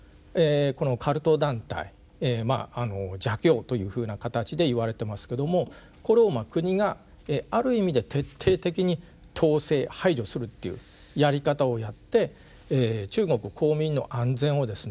カルト団体まあ邪教というふうな形でいわれてますけどもこれを国がある意味で徹底的に統制排除するっていうやり方をやって中国公民の安全をですね